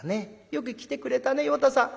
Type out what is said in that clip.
よく来てくれたね与太さん」。